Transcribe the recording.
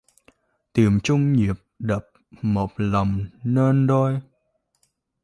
Tìm chung nhịp đập một lòng nên đôi.